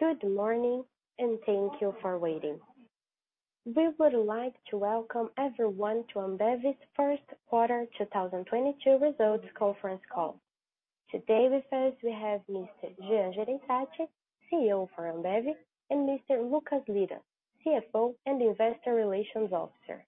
Good morning, and thank you for waiting. We would like to welcome everyone to Ambev's first quarter 2022 results conference call. Today with us we have Mr. Jean Jereissati, CEO for Ambev, and Mr. Lucas Lira, CFO and Investor Relations Officer.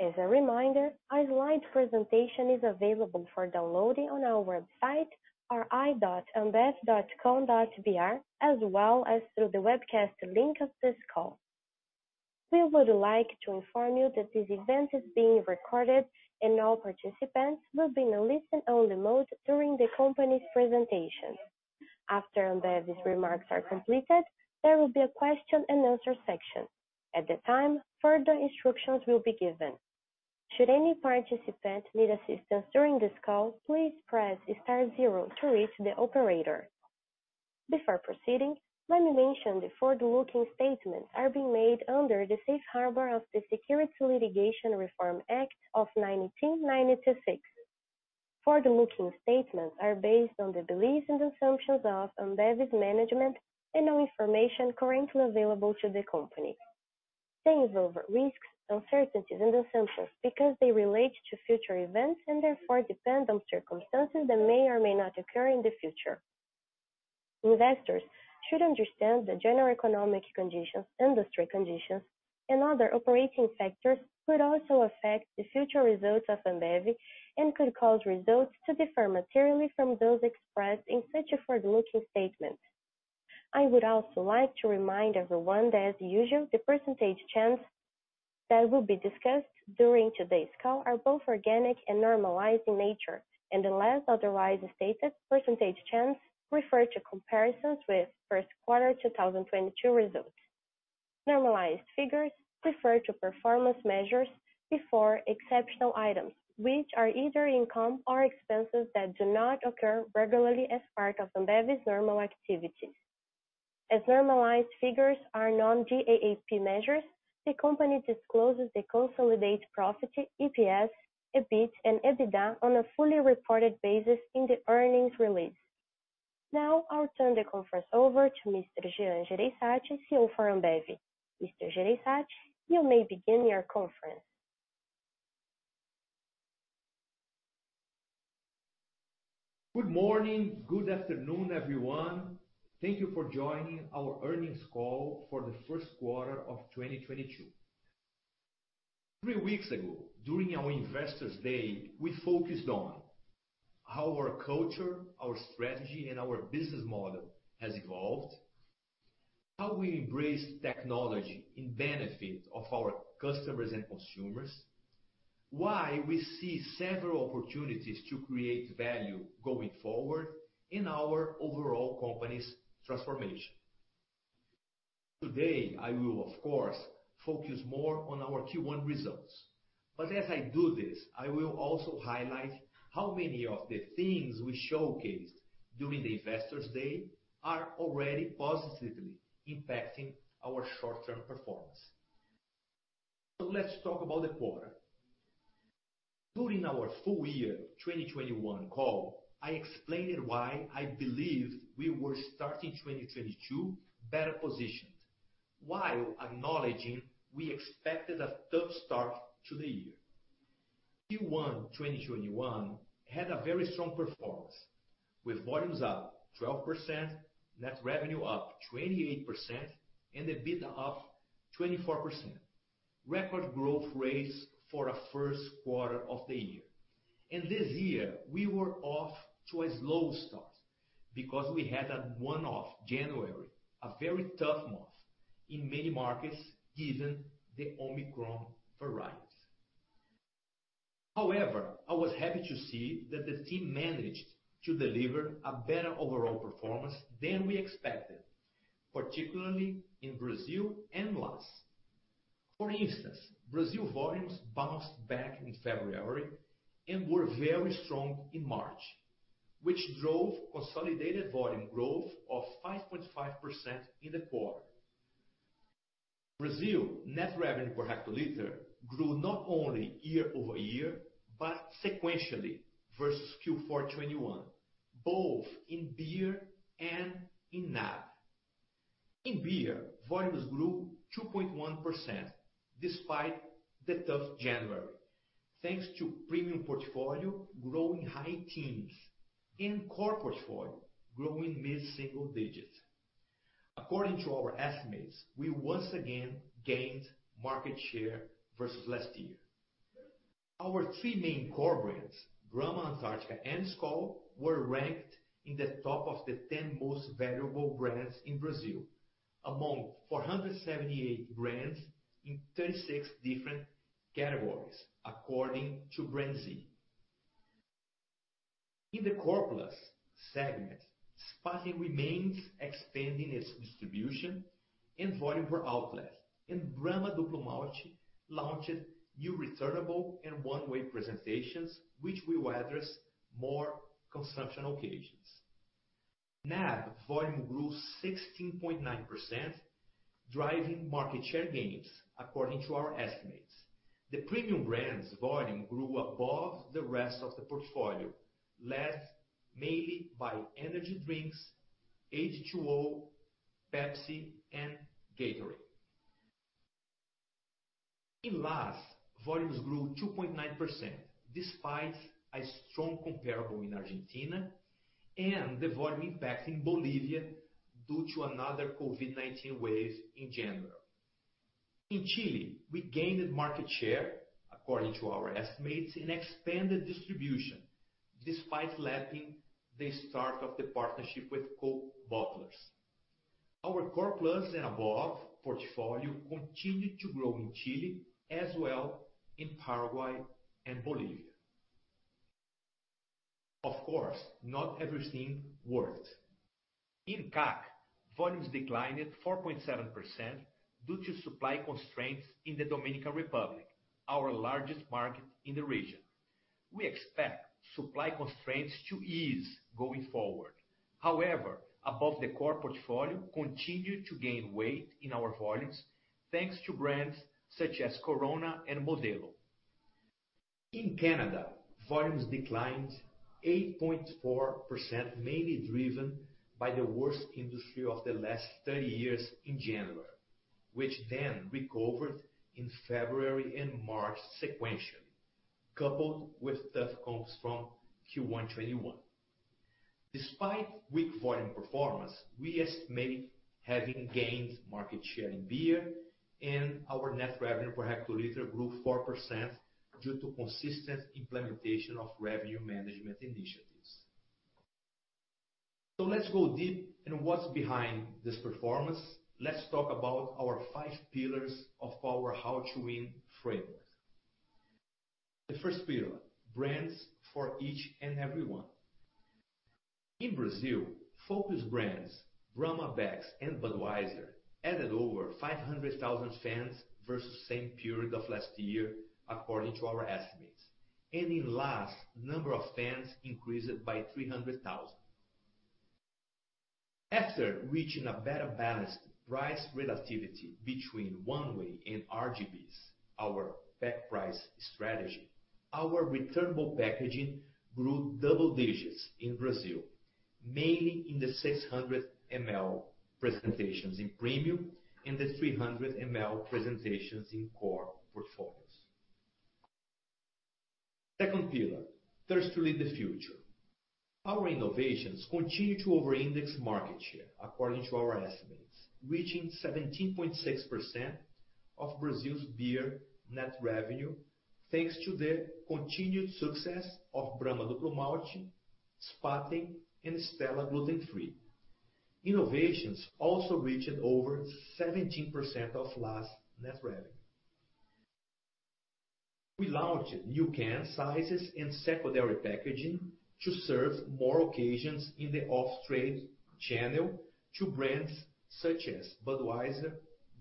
As a reminder, our slide presentation is available for downloading on our website, ri.ambev.com.br, as well as through the webcast link of this call. We would like to inform you that this event is being recorded and all participants will be in a listen-only mode during the company's presentation. After Ambev's remarks are completed, there will be a question and answer section. At that time, further instructions will be given. Should any participant need assistance during this call, please press star zero to reach the operator. Before proceeding, let me mention the forward-looking statements are being made under the safe harbor of the Private Securities Litigation Reform Act of 1995. Forward-looking statements are based on the beliefs and assumptions of Ambev's management and on information currently available to the company. They involve risks, uncertainties, and assumptions because they relate to future events and therefore depend on circumstances that may or may not occur in the future. Investors should understand the general economic conditions, industry conditions, and other operating factors could also affect the future results of Ambev and could cause results to differ materially from those expressed in such forward-looking statements. I would also like to remind everyone that as usual, the percentage changes that will be discussed during today's call are both organic and normalized in nature. Unless otherwise stated, percentage changes refer to comparisons with first quarter 2022 results. Normalized figures refer to performance measures before exceptional items, which are either income or expenses that do not occur regularly as part of Ambev's normal activities. As normalized figures are non-GAAP measures, the company discloses the consolidated profit, EPS, EBIT, and EBITDA on a fully reported basis in the earnings release. Now I'll turn the conference over to Mr. Jean Jereissati, CEO for Ambev. Mr. Jereissati, you may begin your conference. Good morning. Good afternoon, everyone. Thank you for joining our earnings call for the first quarter of 2022. Three weeks ago, during our Investors Day, we focused on how our culture, our strategy, and our business model has evolved, how we embrace technology in benefit of our customers and consumers, why we see several opportunities to create value going forward in our overall company's transformation. Today, I will of course focus more on our Q1 results. But as I do this, I will also highlight how many of the things we showcased during the Investors Day are already positively impacting our short-term performance. Let's talk about the quarter. During our full year 2021 call, I explained why I believed we were starting 2022 better positioned while acknowledging we expected a tough start to the year. Q1 2021 had a very strong performance with volumes up 12%, net revenue up 28% and EBIT up 24%. Record growth rates for a first quarter of the year. And this year we were off to a slow start because we had a one-off January, a very tough month in many markets given the Omicron variant. However, I was happy to see that the team managed to deliver a better overall performance than we expected, particularly in Brazil and LAS. For instance, Brazil volumes bounced back in February and were very strong in March, which drove consolidated volume growth of 5.5% in the quarter. Brazil net revenue per hectoliter grew not only year-over-year, but sequentially versus Q4 2021, both in beer and in NAB. In beer, volumes grew 2.1% despite the tough January, thanks to premium portfolio growing high teens and core portfolio growing mid-single digits. According to our estimates, we once again gained market share versus last year. Our three main core brands, Brahma, Antarctica, and Skol, were ranked in the top 10 most valuable brands in Brazil, among 478 brands in 36 different categories, according to BrandZ. In the core plus segment, Spaten remains expanding its distribution and volume per outlet, and Brahma Duplo Malte launched new returnable and one-way presentations, which will address more consumption occasions. NAB volume grew 16.9%, driving market share gains according to our estimates. The premium brands volume grew above the rest of the portfolio, led mainly by energy drinks, H2OH!, Pepsi, and Gatorade. In LAS, volumes grew 2.9% despite a strong comparable in Argentina and the volume impact in Bolivia due to another COVID-19 wave in January. In Chile, we gained market share, according to our estimates, and expanded distribution despite lapping the start of the partnership with Coke bottlers. Our core plus and above portfolio continued to grow in Chile as well in Paraguay and Bolivia. Of course, not everything worked. In CAC, volumes declined 4.7% due to supply constraints in the Dominican Republic, our largest market in the region. We expect supply constraints to ease going forward. However, above the core portfolio continued to gain weight in our volumes, thanks to brands such as Corona and Modelo. In Canada, volumes declined 8.4%, mainly driven by the worst industry of the last 30 years in January, which then recovered in February and March sequentially, coupled with tough comps from Q1 2021. Despite weak volume performance, we estimate having gained market share in beer and our net revenue per hectoliter grew 4% due to consistent implementation of revenue management initiatives. Let's go deep in what's behind this performance. Let's talk about our five pillars of our How to Win framework. The first pillar, brands for each and everyone. In Brazil, focus brands Brahma, Beck's and Budweiser added over 500,000 fans versus same period of last year, according to our estimates. In LAS, number of fans increased by 300,000. After reaching a better balanced price relativity between one-way and RGBs, our pack price strategy, our returnable packaging grew double digits in Brazil, mainly in the 600 ml presentations in premium and the 300 ml presentations in core portfolios. Second pillar, thirst to lead the future. Our innovations continue to over-index market share, according to our estimates, reaching 17.6% of Brazil's beer net revenue, thanks to the continued success of Brahma Duplo Malte, Spaten, and Stella Gluten-free. Innovations also reached over 17% of LAS net revenue. We launched new can sizes and secondary packaging to serve more occasions in the off-trade channel to brands such as Budweiser,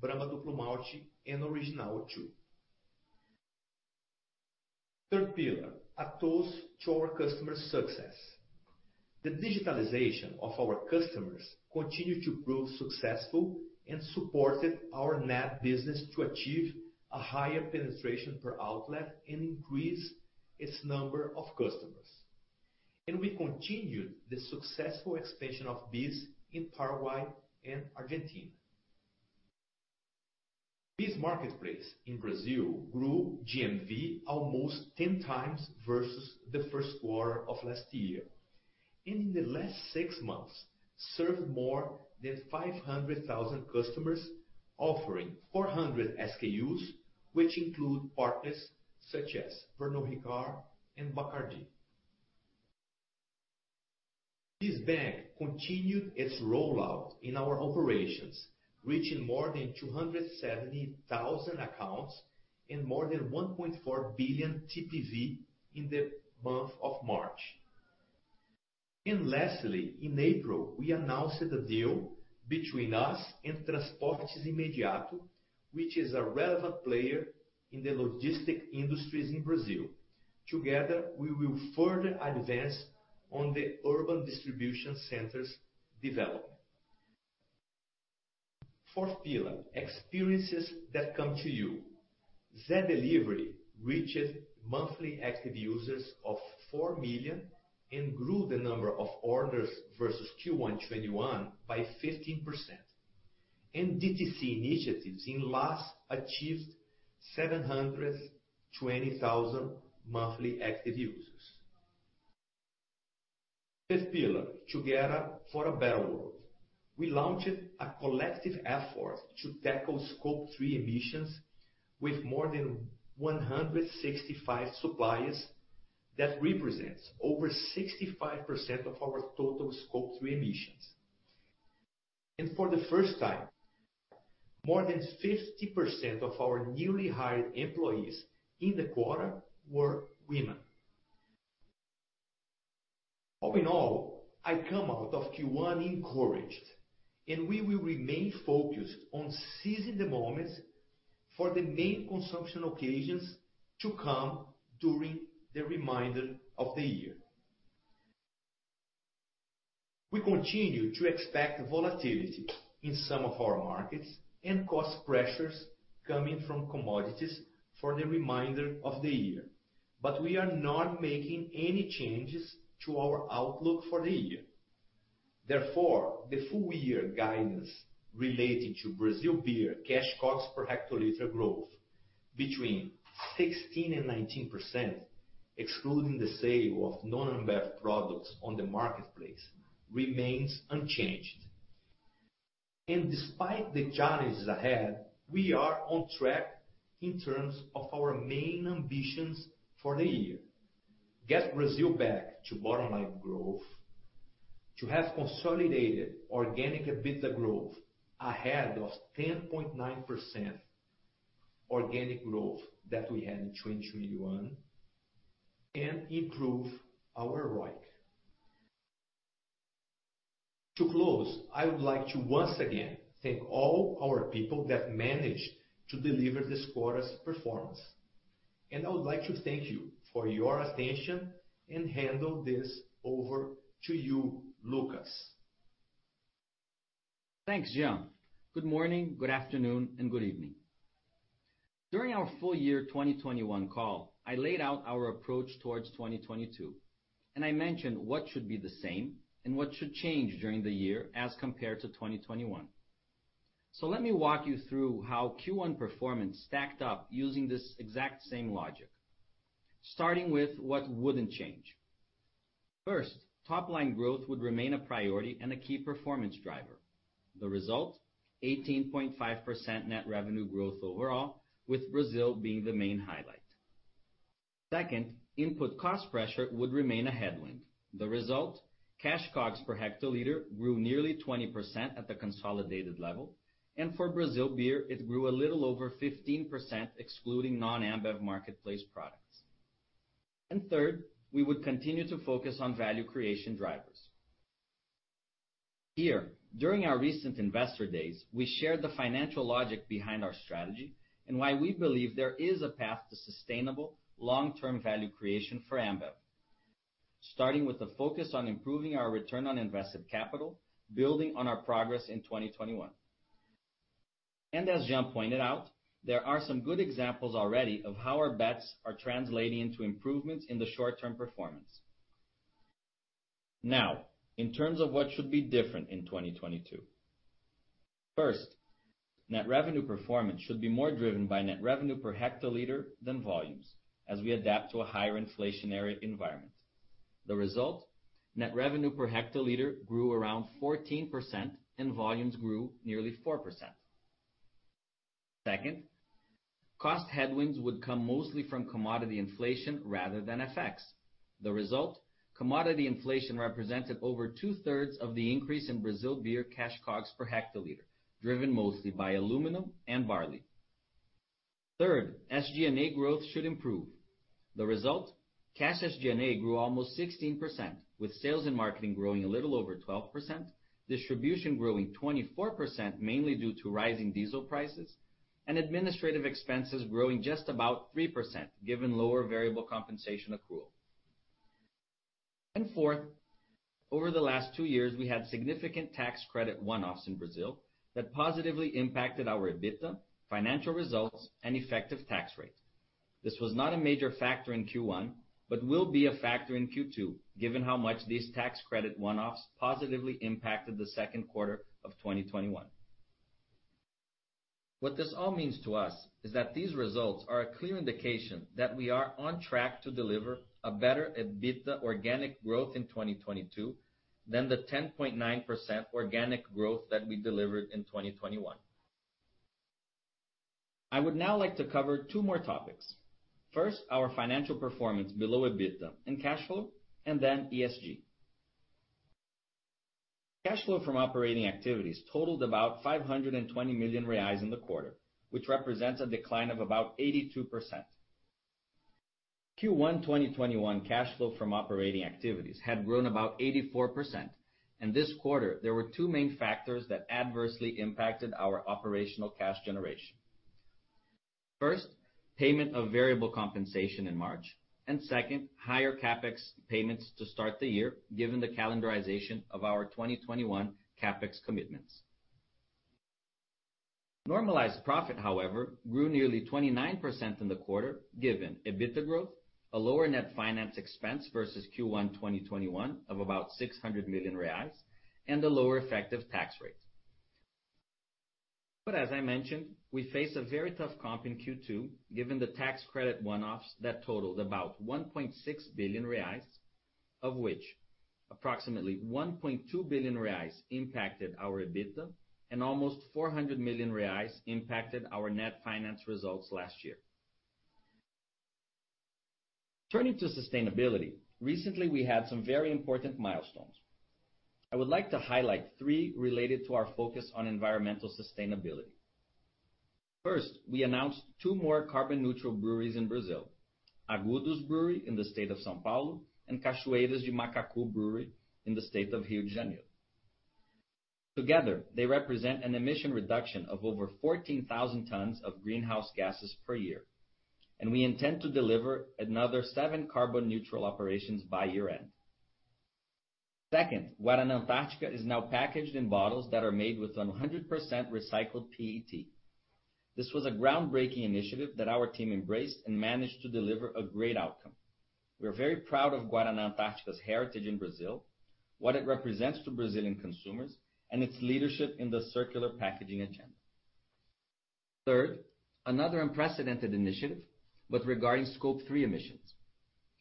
Brahma Duplo Malte, and Antarctica Original too. Third pillar, a toast to our customers' success. The digitalization of our customers continued to prove successful and supported our net business to achieve a higher penetration per outlet and increase its number of customers. And we continued the successful expansion of BEES in Paraguay and Argentina. BEES marketplace in Brazil grew GMV almost 10 times versus the first quarter of last year, and in the last six months, served more than 500,000 customers offering 400 SKUs, which include partners such as Pernod Ricard and Bacardi. BEES Bank continued its rollout in our operations, reaching more than 270,000 accounts and more than 1.4 billion TPV in the month of March. Lastly, in April, we announced the deal between us and Transportes Imediato, which is a relevant player in the logistics industries in Brazil. Together, we will further advance on the urban distribution centers' development. Fourth pillar, experiences that come to you. Zé Delivery reached monthly active users of four million and grew the number of orders versus Q1 2021 by 15%. DTC initiatives in LAS achieved 720,000 monthly active users. Fifth pillar, together for a better world. We launched a collective effort to tackle scope three emissions with more than 165 suppliers. That represents over 65% of our total scope three emissions. For the first time, more than 50% of our newly hired employees in the quarter were women. All in all, I come out of Q1 encouraged, and we will remain focused on seizing the moments for the main consumption occasions to come during the remainder of the year. We continue to expect volatility in some of our markets and cost pressures coming from commodities for the remainder of the year. We are not making any changes to our outlook for the year. Therefore, the full year guidance related to Brazil beer cash costs per hectoliter growth between 16% and 19%, excluding the sale of non-Ambev products on the marketplace remains unchanged. And despite the challenges ahead, we are on track in terms of our main ambitions for the year. Get Brazil back to bottom line growth, to have consolidated organic EBITDA growth ahead of 10.9% organic growth that we had in 2021, and improve our ROIC. To close, I would like to once again thank all our people that managed to deliver this quarter's performance, and I would like to thank you for your attention and hand this over to you, Lucas. Thanks, Jean. Good morning, good afternoon, and good evening. During our full year 2021 call, I laid out our approach towards 2022, and I mentioned what should be the same and what should change during the year as compared to 2021. Let me walk you through how Q1 performance stacked up using this exact same logic, starting with what wouldn't change. First, top line growth would remain a priority and a key performance driver. The result, 18.5% net revenue growth overall, with Brazil being the main highlight. Second, input cost pressure would remain a headwind. The result, cash COGS per hectoliter grew nearly 20% at the consolidated level. For Brazil beer, it grew a little over 15%, excluding non-Ambev marketplace products. And third, we would continue to focus on value creation drivers. Here, during our recent investor days, we shared the financial logic behind our strategy, and why we believe there is a path to sustainable long-term value creation for Ambev. Starting with the focus on improving our return on invested capital, building on our progress in 2021. And as Jean pointed out, there are some good examples already of how our bets are translating into improvements in the short term performance. Now, in terms of what should be different in 2022. First, net revenue performance should be more driven by net revenue per hectoliter than volumes, as we adapt to a higher inflationary environment. The result, net revenue per hectoliter grew around 14% and volumes grew nearly 4%. Second, cost headwinds would come mostly from commodity inflation rather than FX. The result, commodity inflation represented over two-thirds of the increase in Brazil beer cash COGS per hectoliter, driven mostly by aluminum and barley. Third, SG&A growth should improve. The result, cash SG&A grew almost 16%, with sales and marketing growing a little over 12%, distribution growing 24% mainly due to rising diesel prices, and administrative expenses growing just about 3% given lower variable compensation accrual. And fourth, over the last two years, we had significant tax credit one-offs in Brazil that positively impacted our EBITDA, financial results, and effective tax rate. This was not a major factor in Q1, but will be a factor in Q2, given how much these tax credit one-offs positively impacted the second quarter of 2021. What this all means to us is that these results are a clear indication that we are on track to deliver a better EBITDA organic growth in 2022 than the 10.9% organic growth that we delivered in 2021. I would now like to cover two more topics. First, our financial performance below EBITDA and cash flow, and then ESG. Cash flow from operating activities totaled about 520 million reais in the quarter, which represents a decline of about 82%. Q1 2021 cash flow from operating activities had grown about 84%, and this quarter, there were two main factors that adversely impacted our operational cash generation. First, payment of variable compensation in March. Second, higher CapEx payments to start the year, given the calendarization of our 2021 CapEx commitments. Normalized profit, however, grew nearly 29% in the quarter, given EBITDA growth, a lower net finance expense versus Q1 2021 of about 600 million reais, and a lower effective tax rate. As I mentioned, we face a very tough comp in Q2, given the tax credit one-offs that totaled about 1.6 billion reais, of which approximately 1.2 billion reais impacted our EBITDA, and almost 400 million reais impacted our net finance results last year. Turning to sustainability, recently, we had some very important milestones. I would like to highlight three related to our focus on environmental sustainability. First, we announced two more carbon neutral breweries in Brazil, Agudos Brewery in the state of São Paulo, and Cachoeiras de Macacu Brewery in the state of Rio de Janeiro. Together, they represent an emission reduction of over 14,000 tons of greenhouse gases per year, and we intend to deliver another seven carbon neutral operations by year-end. Second, Guaraná Antarctica is now packaged in bottles that are made with 100% recycled PET. This was a groundbreaking initiative that our team embraced and managed to deliver a great outcome. We are very proud of Guaraná Antarctica's heritage in Brazil, what it represents to Brazilian consumers, and its leadership in the circular packaging agenda. Third, another unprecedented initiative, but regarding scope three emissions.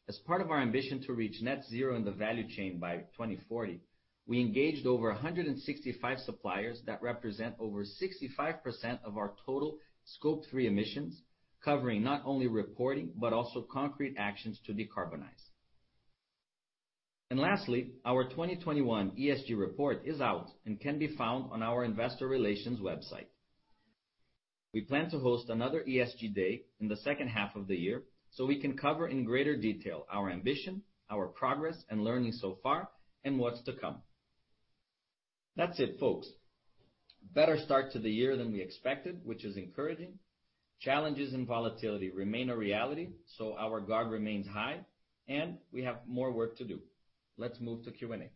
As part of our ambition to reach net zero in the value chain by 2040, we engaged over 165 suppliers that represent over 65% of our total scope three emissions, covering not only reporting, but also concrete actions to decarbonize. And lastly, our 2021 ESG report is out and can be found on our investor relations website. We plan to host another ESG day in the second half of the year, so we can cover in greater detail our ambition, our progress and learning so far, and what's to come. That's it, folks. Better start to the year than we expected, which is encouraging. Challenges and volatility remain a reality, so our guard remains high, and we have more work to do. Let's move to Q&A.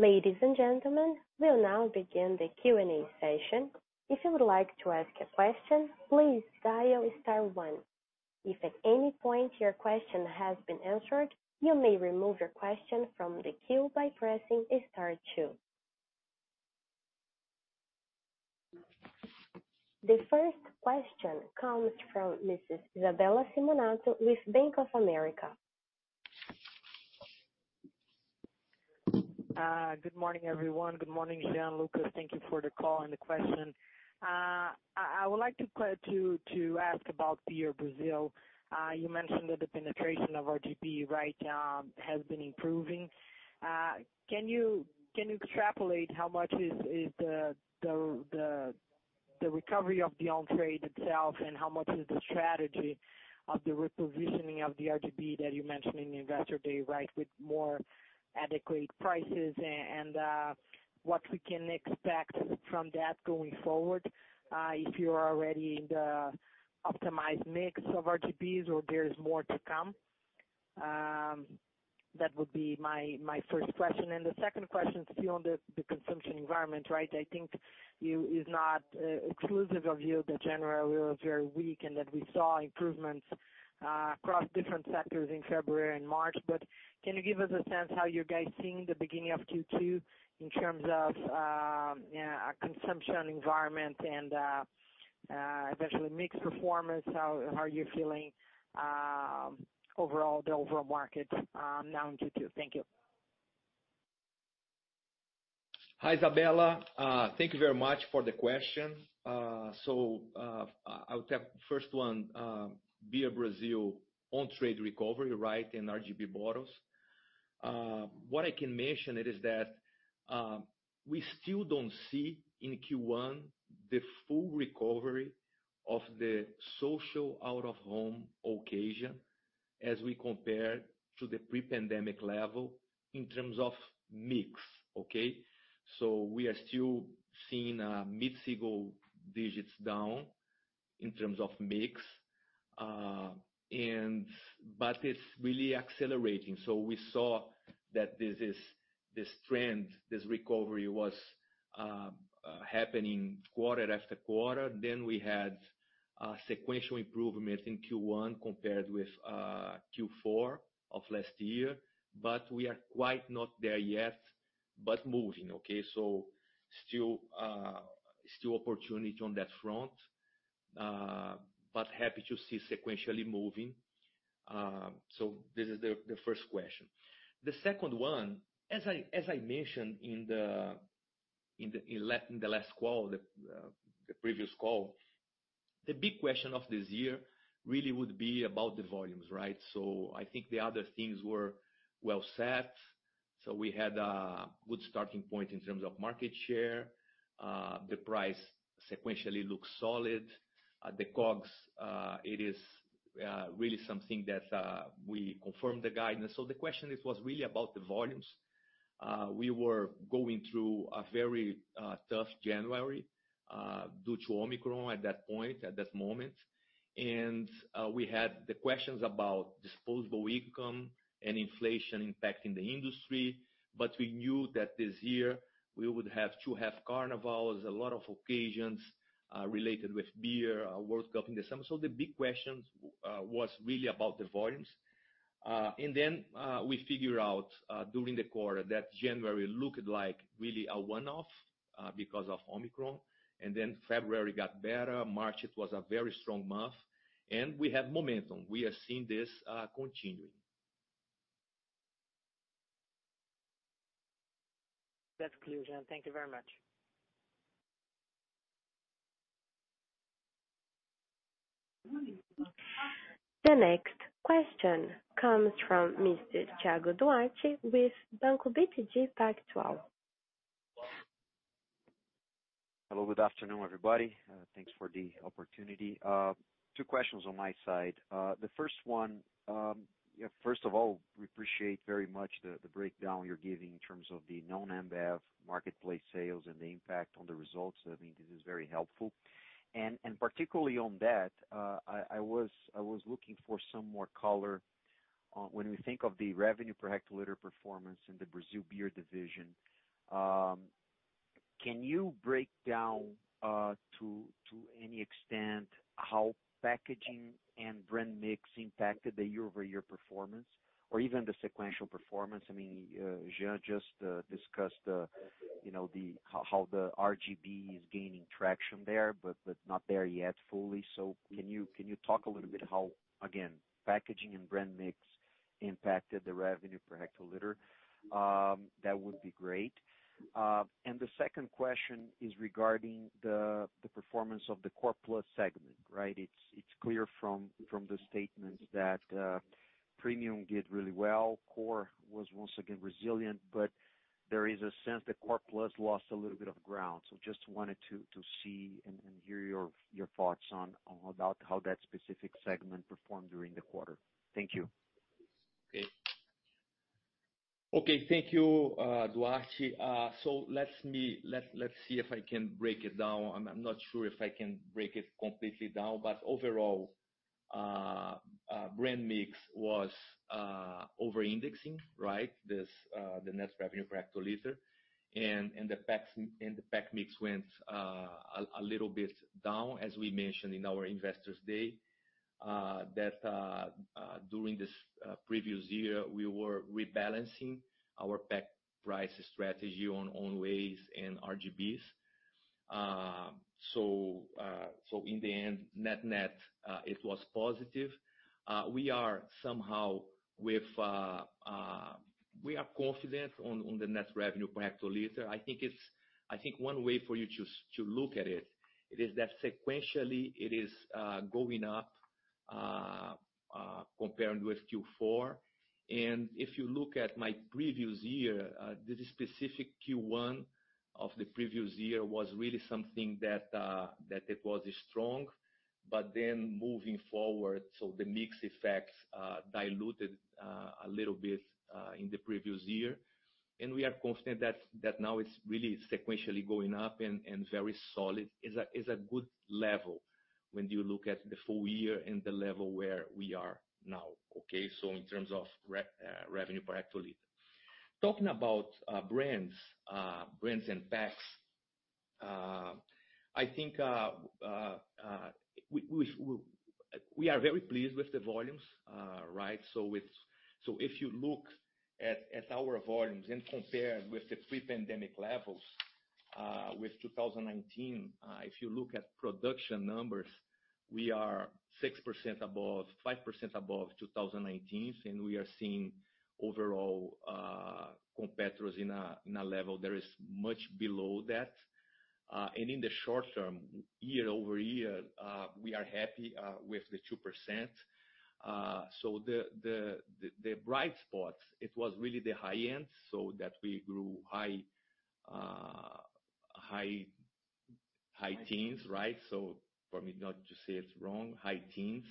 Ladies and gentlemen, we'll now begin the Q&A session. If you would like to ask a question, please dial star one. If at any point your question has been answered, you may remove your question from the queue by pressing star two. The first question comes from Mrs. Isabella Simonato with Bank of America. Good morning, everyone. Good morning, Jean Jereissati. Thank you for the call and the question. I would like to ask about Beer Brazil. You mentioned that the penetration of RGB right has been improving. Can you extrapolate how much is the recovery of the on-trade itself and how much is the strategy of the repositioning of the RGB that you mentioned in the investor day, right, with more adequate prices, and what we can expect from that going forward, if you're already in the optimized mix of RGBs or there's more to come? That would be my first question. The second question is still on the consumption environment, right? I think it's not exclusive to you that January was very weak and that we saw improvements across different sectors in February and March. Can you give us a sense how you guys are seeing the beginning of Q2 in terms of consumption environment and eventual mix performance? How are you feeling overall market now in Q2? Thank you. Hi, Isabella. Thank you very much for the question. I'll take first one, Beer Brazil on-trade recovery, right, and RGB bottles. What I can mention is that we still don't see in Q1 the full recovery of the social out-of-home occasion as we compare to the pre-pandemic level in terms of mix. Okay. We are still seeing mid-single digits down in terms of mix. It's really accelerating. We saw that this trend, this recovery was happening quarter after quarter. We had sequential improvement in Q1 compared with Q4 of last year. We are not quite there yet, but moving, okay. Still opportunity on that front, but happy to see sequentially moving. This is the first question. The second one, as I mentioned in the last call, the previous call, the big question of this year really would be about the volumes, right? So, I think the other things were well set. We had a good starting point in terms of market share. The price sequentially looks solid. The COGS, it is really something that we confirmed the guidance. The question was really about the volumes. We were going through a very tough January due to Omicron at that point, at that moment. And we had the questions about disposable income and inflation impacting the industry. But we knew that this year we would have to have carnivals, a lot of occasions related with beer, World Cup in the summer. The big questions was really about the volumes. And then, we figure out during the quarter that January looked like really a one-off because of Omicron. And then February got better. March, it was a very strong month, and we have momentum. We are seeing this continuing. That's clear, Jean. Thank you very much. The next question comes from Mr. Thiago Duarte with Banco BTG Pactual. Hello, good afternoon, everybody. Thanks for the opportunity. Two questions on my side. The first one, first of all, we appreciate very much the breakdown you're giving in terms of the non-Ambev marketplace sales and the impact on the results. I mean, this is very helpful. Particularly on that, I was looking for some more color on when we think of the revenue per hectoliter performance in the Brazil beer division. Can you break down, to any extent, how packaging and brand mix impacted the year-over-year performance or even the sequential performance? I mean, Jean Jereissati just discussed, you know, how the RGB is gaining traction there, but not there yet fully. So can you talk a little bit how, again, packaging and brand mix impacted the revenue per hectoliter? That would be great. The second question is regarding the performance of the core plus segment, right? It's clear from the statements that premium did really well, core was once again resilient, but there is a sense that core plus lost a little bit of ground. Just wanted to see and hear your thoughts on about how that specific segment performed during the quarter. Thank you. Okay. Okay, thank you, Duarte. Let's see if I can break it down. I'm not sure if I can break it completely down. But overall, brand mix was over-indexing, right? This, the net revenue per hectoliter. The packs and the pack mix went a little bit down, as we mentioned in our Investors' Day, that during this previous year, we were rebalancing our pack price strategy on one-ways and RGBs. So in the end, net-net, it was positive. We are somehow confident on the net revenue per hectoliter. I think one way for you to look at it is that sequentially it is going up, comparing with Q4. If you look at my previous year, the specific Q1 of the previous year was really something that it was strong. Then moving forward, the mix effects diluted a little bit in the previous year. We are confident that now it's really sequentially going up and very solid. It's a good level when you look at the full year and the level where we are now, okay? In terms of revenue per hectoliter. Talking about brands and packs, I think we are very pleased with the volumes, right? If you look at our volumes and compare with the pre-pandemic levels with 2019, if you look at production numbers, we are 6% above, 5% above 2019's, and we are seeing overall competitors in a level that is much below that. In the short term, year-over-year, we are happy with the 2%. So that the bright spots, it was really the high end, so that we grew high teens, right? For me not to say it wrong, high teens.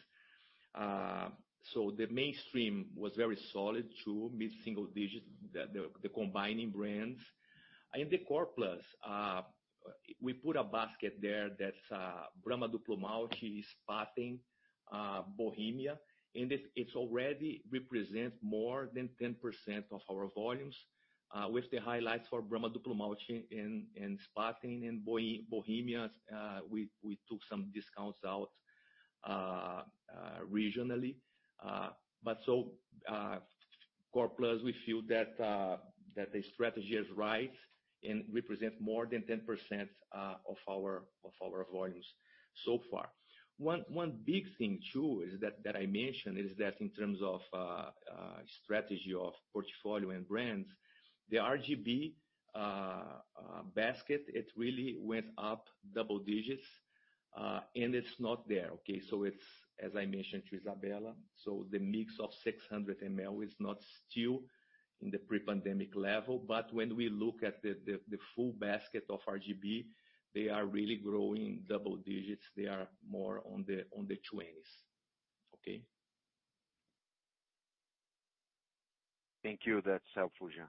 So, the mainstream was very solid too, mid-single digits, the combining brands. In the Core Plus, we put a basket there that's Brahma Duplo Malte, Spaten, Bohemia, and it's already represent more than 10% of our volumes, with the highlights for Brahma Duplo Malte and Spaten and Bohemia, we took some discounts out regionally. Core Plus we feel that the strategy is right and represent more than 10% of our volumes so far. One big thing too is that I mentioned is that in terms of strategy of portfolio and brands, the RGB basket, it really went up double digits, and it's not there, okay? It's, as I mentioned to Isabella, the mix of 600 ml is not still in the pre-pandemic level. When we look at the full basket of RGB, they are really growing double digits. They are more on the twenties, okay? Thank you. That's helpful, Jean.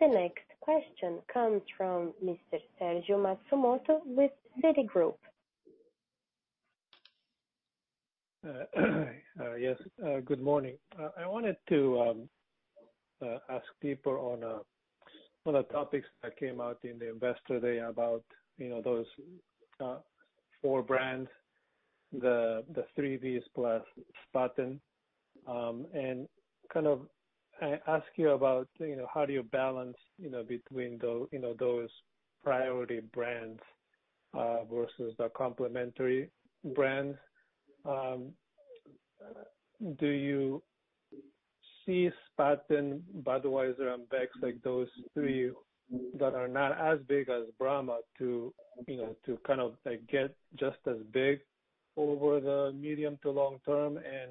The next question comes from Mr. Sergio Matsumoto with Citigroup. Good morning. I wanted to ask deeper on the topics that came out in the Investor Day about, you know, those four brands, the three Vs plus Spaten. Kind of ask you about, you know, how do you balance, you know, between those priority brands versus the complementary brands. Do you see Spaten, Budweiser and Beck's, like those three that are not as big as Brahma to, you know, to kind of like get just as big? Over the medium to long term and,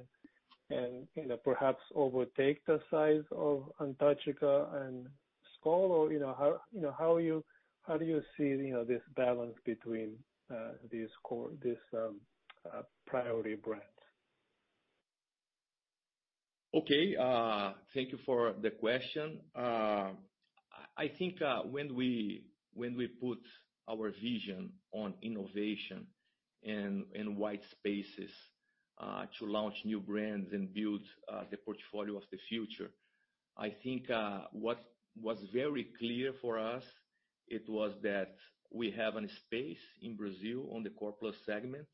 you know, perhaps overtake the size of Antarctica and Skol or, you know, how do you see, you know, this balance between these core, this priority brands? Okay. Thank you for the question. I think, when we put our vision on innovation and wide spaces, to launch new brands and build the portfolio of the future, I think, what was very clear for us, it was that we have a space in Brazil on the core plus segment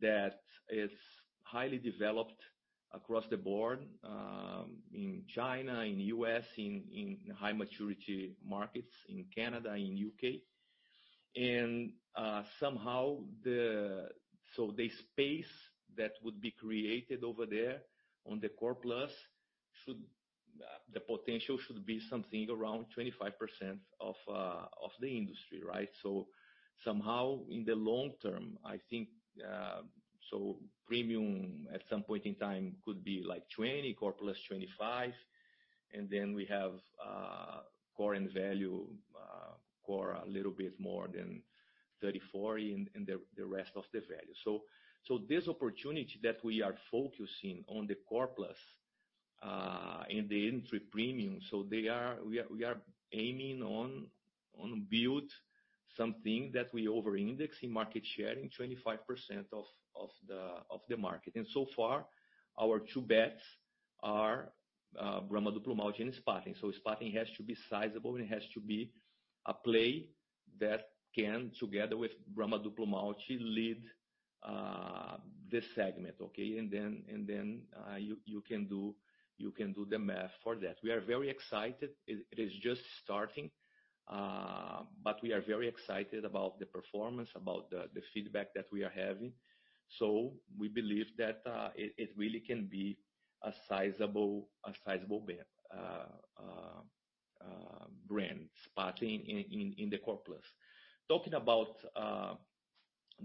that is highly developed across the board, in China, in U.S., in high maturity markets, in Canada, in U.K. The space that would be created over there on the core plus should, the potential should be something around 25% of the industry, right? Somehow in the long term, I think, premium at some point in time could be like 20%, core plus 25%. We have core and value, core a little bit more than 30, 40 and the rest of the value. So, this opportunity that we are focusing on the core plus and the entry premium, we are aiming on build something that we over-index in market share in 25% of the market. So far, our two bets are Brahma Duplo Malte and Spaten. So, Spaten has to be sizable, and it has to be a play that can, together with Brahma Duplo Malte lead this segment, okay? And then you can do the math for that. We are very excited. It is just starting, but we are very excited about the performance, about the feedback that we are having. So we believe that it really can be a sizable bet, brand Spaten in the core plus. Talking about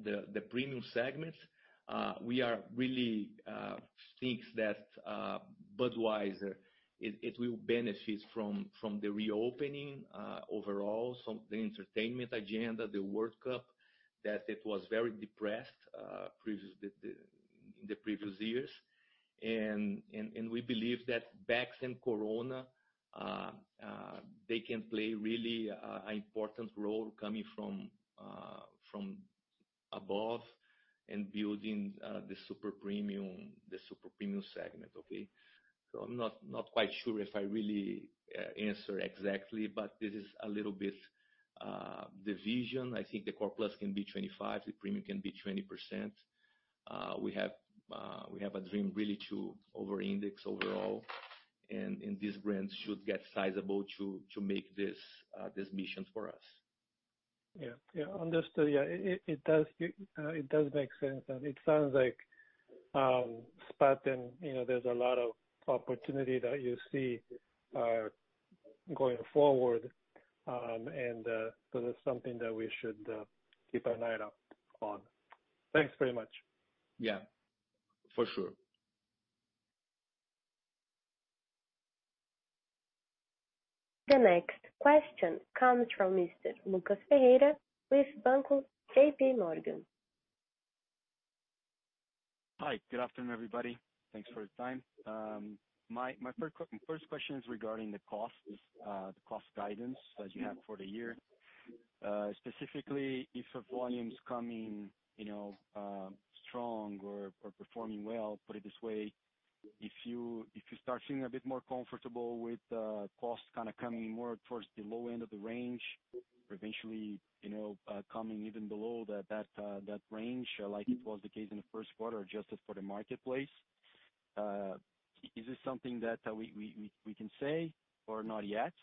the premium segment, we are really thinks that Budweiser it will benefits from the reopening overall, the entertainment agenda, the World Cup, that it was very depressed in the previous years. We believe that Beck's and Corona they can play really an important role coming from above and building the super premium segment. I'm not quite sure if I really answer exactly, but this is a little bit the vision. I think the core plus can be 25, the premium can be 20%. We have a dream really to over-index overall, and these brands should get sizable to make this mission for us. Yeah. Understood. Yeah. It does make sense. It sounds like Spaten, you know, there's a lot of opportunity that you see going forward. That's something that we should keep an eye out on. Thanks very much. Yeah. For sure. The next question comes from Mr. Lucas Ferreira with J.P. Morgan. Hi. Good afternoon, everybody. Thanks for your time. My first question is regarding the cost, the cost guidance that you have for the year. Specifically if the volume's coming, you know, strong or performing well. Put it this way, if you start feeling a bit more comfortable with the cost kinda coming more towards the low end of the range or eventually, you know, coming even below that range like it was the case in the first quarter, adjusted for the marketplace, is this something that we can say or not yet?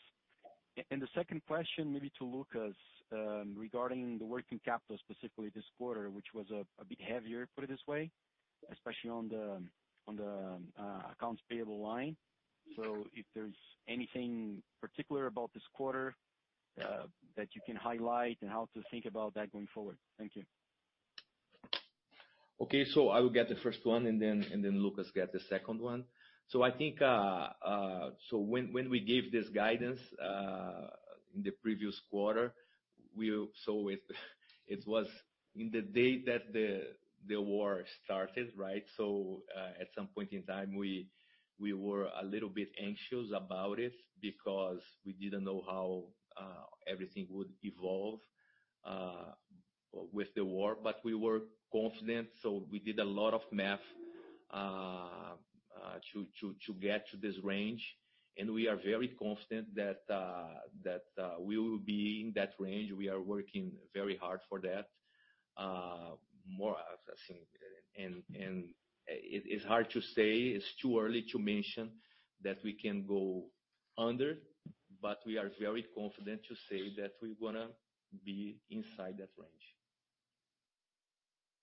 The second question maybe to Lucas, regarding the working capital specifically this quarter, which was a bit heavier, put it this way, especially on the accounts payable line. If there's anything particular about this quarter that you can highlight and how to think about that going forward? Thank you. Okay. I will get the first one and then Lucas get the second one. I think when we gave this guidance in the previous quarter, it was on the day that the war started, right? At some point in time we were a little bit anxious about it because we didn't know how everything would evolve with the war. We were confident, so we did a lot of math to get to this range, and we are very confident that we will be in that range. We are working very hard for that, more, I think. It's hard to say, it's too early to mention that we can go under, but we are very confident to say that we're gonna be inside that range.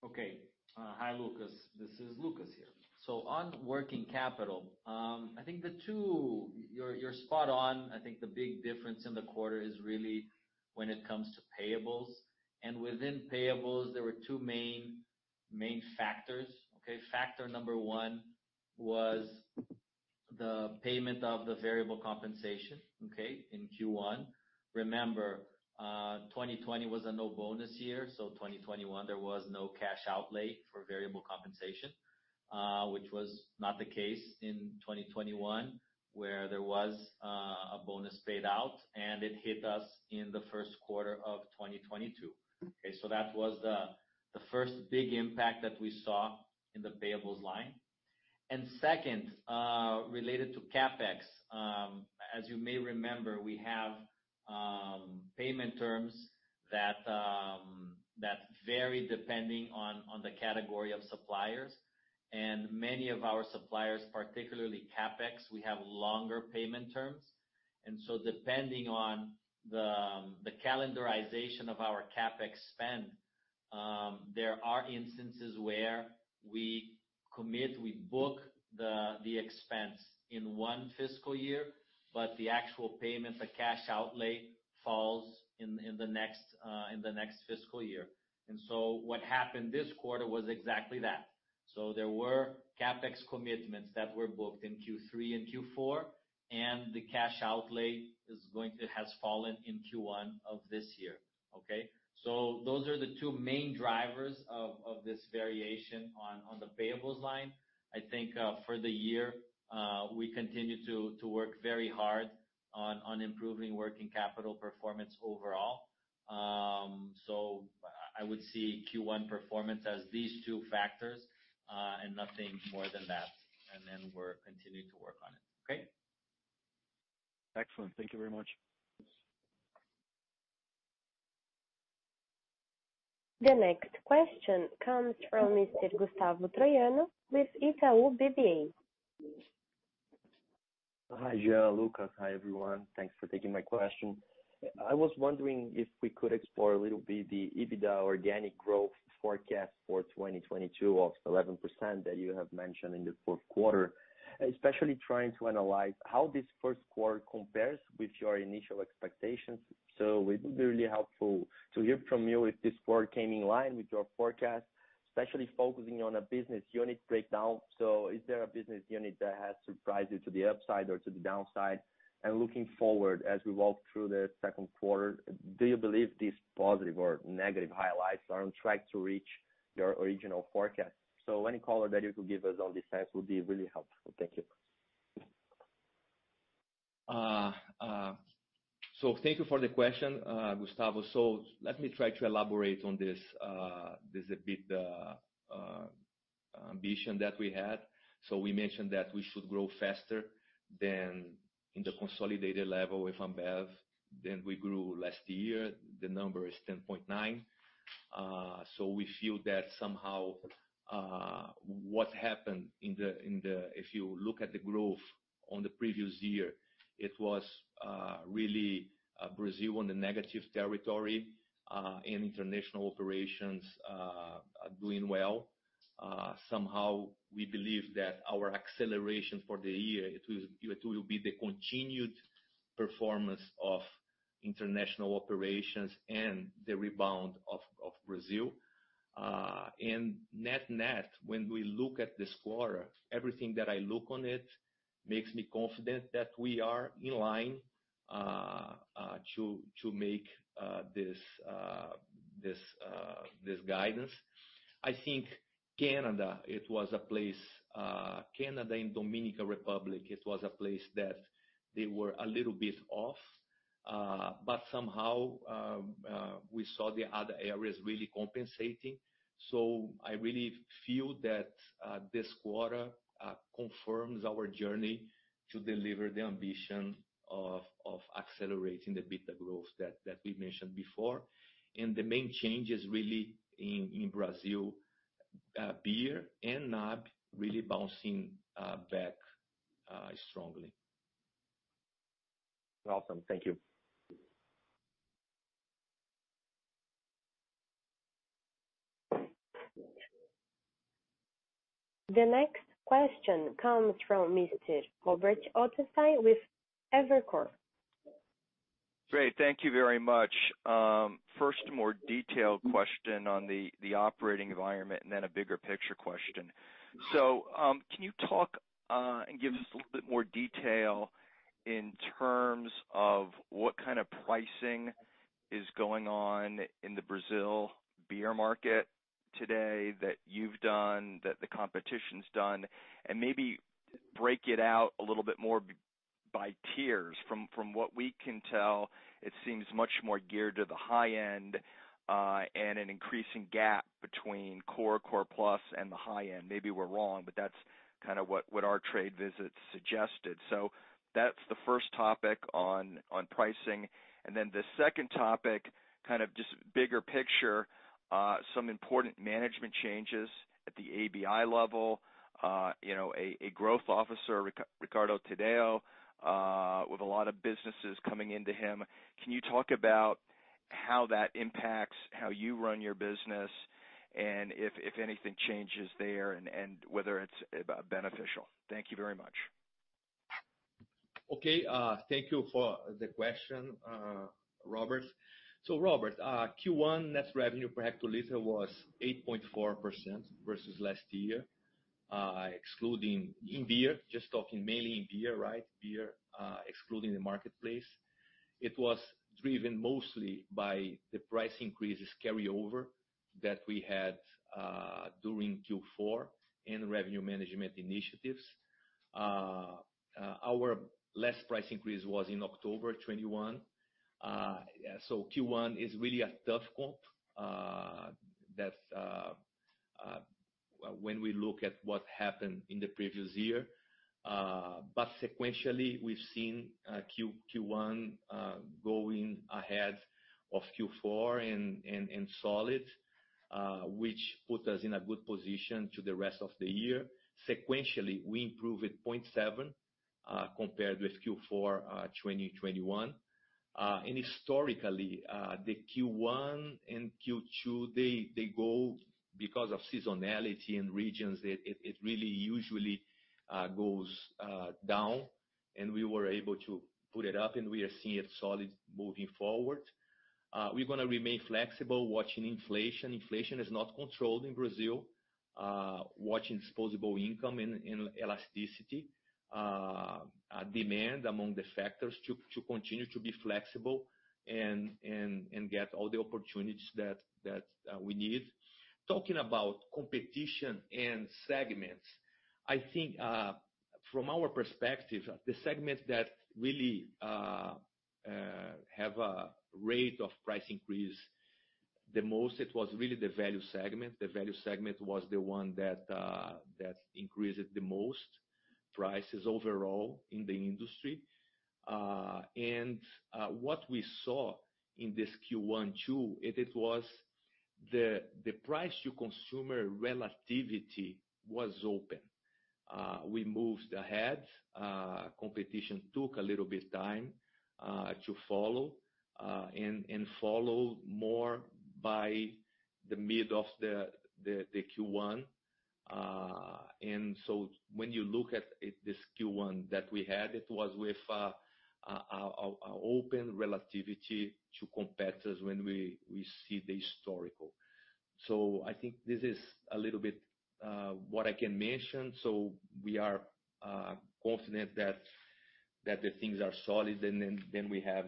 Okay. Hi, Lucas. This is Lucas here. On working capital, I think you're spot on. I think the big difference in the quarter is really when it comes to payables. Within payables there were two main factors. Okay? Factor number one was the payment of the variable compensation, okay, in Q1. Remember, 2020 was a no bonus year, so 2021 there was no cash outlay for variable compensation, which was not the case in 2021, where there was a bonus paid out and it hit us in the first quarter of 2022. That was the first big impact that we saw in the payables line. Second, related to CapEx, as you may remember, we have payment terms that vary depending on the category of suppliers. Many of our suppliers, particularly CapEx, we have longer payment terms. And so depending on the calendarization of our CapEx spend, there are instances where we commit, we book the expense in one fiscal year, but the actual payment, the cash outlay falls in the next fiscal year. So what happened this quarter was exactly that. There were CapEx commitments that were booked in Q3 and Q4, and the cash outlay has fallen in Q1 of this year. Okay? Those are the two main drivers of this variation on the payables line. I think, for the year, we continue to work very hard on improving working capital performance overall. I would see Q1 performance as these two factors, and nothing more than that. We're continuing to work on it. Okay? Excellent. Thank you very much. The next question comes from Mr. Gustavo Troiano with Itaú BBA. Hi, Jean, Lucas. Hi, everyone. Thanks for taking my question. I was wondering if we could explore a little bit the EBITDA organic growth forecast for 2022 of 11% that you have mentioned in the fourth quarter, especially trying to analyze how this first quarter compares with your initial expectations. It would be really helpful to hear from you if this quarter came in line with your forecast, especially focusing on a business unit breakdown. Is there a business unit that has surprised you to the upside or to the downside? And looking forward, as we walk through the second quarter, do you believe these positive or negative highlights are on track to reach your original forecast? Any color that you could give us on this aspect would be really helpful. Thank you. Thank you for the question, Gustavo. Let me try to elaborate on this a bit, ambition that we had. We mentioned that we should grow faster than in the consolidated level with Ambev than we grew last year. The number is 10.9%. So we feel that somehow what happened in the. If you look at the growth on the previous year, it was really Brazil in the negative territory, and international operations doing well. Somehow we believe that our acceleration for the year, it will be the continued performance of international operations and the rebound of Brazil. Net-Net, when we look at this quarter, everything that I look on it makes me confident that we are in line to make this guidance. I think Canada and Dominican Republic, it was a place that they were a little bit off, but somehow we saw the other areas really compensating. I really feel that this quarter confirms our journey to deliver the ambition of accelerating the EBITDA growth that we mentioned before. The main change is really in Brazil, beer and NAB really bouncing back strongly. Awesome. Thank you. The next question comes from Mr. Robert Ottenstein with Evercore. Great. Thank you very much. First, a more detailed question on the operating environment and then a bigger picture question. So, can you talk and give us a little bit more detail in terms of what kind of pricing is going on in the Brazil beer market today that you've done, that the competition's done, and maybe break it out a little bit more by tiers. From what we can tell, it seems much more geared to the high end and an increasing gap between core plus and the high end. Maybe we're wrong, but that's kind of what our trade visits suggested. That's the first topic on pricing. Then the second topic, kind of just bigger picture, some important management changes at the ABI level, you know, a growth officer, Ricardo Tadeu, with a lot of businesses coming into him. Can you talk about how that impacts how you run your business and if anything changes there and whether it's beneficial? Thank you very much. Okay, thank you for the question, Robert. Robert, Q1 net revenue per hectoliter was 8.4% versus last year, excluding in beer, just talking mainly in beer, right? Beer, excluding the marketplace. It was driven mostly by the price increases carryover that we had during Q4 and revenue management initiatives. Our last price increase was in October 2021. Q1 is really a tough comp that when we look at what happened in the previous year, but sequentially, we've seen Q1 going ahead of Q4 and solid, which put us in a good position to the rest of the year. Sequentially, we improved with 0.7 compared with Q4 2021. Historically, the Q1 and Q2 go down because of seasonality and regions. It really usually goes down, and we were able to put it up, and we are seeing it solid moving forward. We're gonna remain flexible watching inflation. Inflation is not controlled in Brazil. Watching disposable income and elasticity of demand among the factors to continue to be flexible and get all the opportunities that we need. Talking about competition and segments, I think from our perspective, the segment that really have a rate of price increase the most. It was really the value segment. The value segment was the one that increased the most prices overall in the industry. What we saw in this Q1 too, it was the price to consumer relativity was open. We moved ahead. Competition took a little bit of time to follow, and followed more by the mid of the Q1. When you look at it, this Q1 that we had, it was with an open relativity to competitors when we see the historical. I think this is a little bit what I can mention. So, we are confident that the things are solid and then we have